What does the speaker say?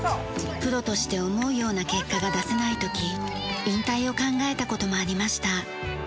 プロとして思うような結果が出せない時引退を考えた事もありました。